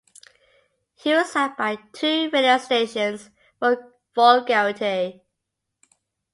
He was sacked by two radio stations for vulgarity.